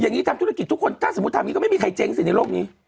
อย่างนี้ทำธุรกิจทุกคนถ้าสมมุติทำอย่างนี้ก็ไม่มีใครเจ๊งสิในโลกนี้